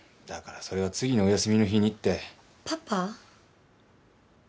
だからそれは次のお休みの日にって。